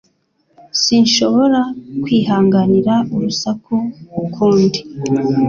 Sinshobora kwihanganira urusaku ukundi.